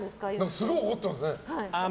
すごい怒ってますね。